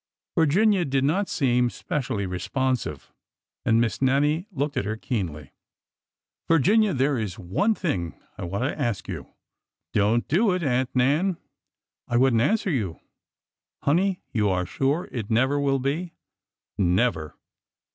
Virginia did not seem specially responsive, and Miss Nannie looked at her keenly. '' Virginia, there is one thing I want to ask you." Don't do it. Aunt Nan. I would n't answer you." '' Honey, you are sure it never will be ?" Never!"